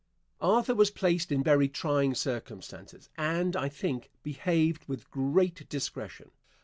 Answer. Arthur was placed in very trying circumstances, and, I think, behaved with great discretion.